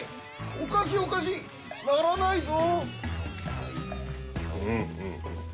おかしいおかしい。ならないぞ。